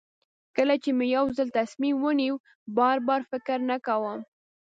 کله چې مې یو ځل تصمیم ونیو بار بار فکر نه کوم.